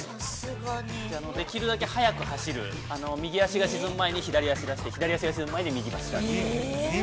◆できるだけ早く走る右足が沈む前に左足を出して左足が沈む前に右足出して。